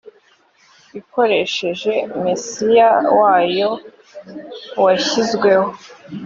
ikoresheje mesiya wayo washyizweho